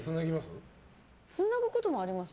つなぐこともあります